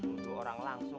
nuduh orang langsung